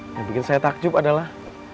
yang bikin saya takjub adalah